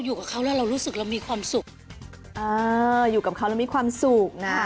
อ๋ออยู่กับเขาแล้วมีความสุขนะ